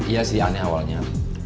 iya sih aneh awalnya